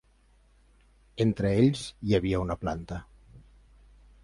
Entre ells, hi havia una planta.